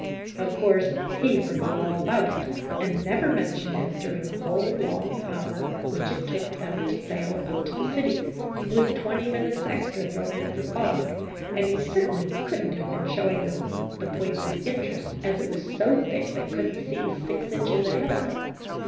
Of course, he forgot all about it, and never mentioned it during the whole long hour, which it took them to sail up to the city, with twenty minutes extra thrown in for fog, and he certainly could n't have been showing them the points of in terest, as it was so thick they could n't see six inches ahead of them.